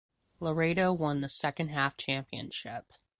Laredo won the second–half championship.